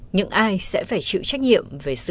những ai sẽ phải chịu trách nhiệm